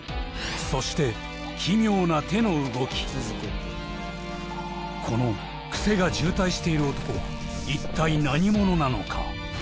そしてこのクセが渋滞している男は一体何者なのか？